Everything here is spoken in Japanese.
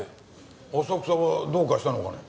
浅草がどうかしたのかね？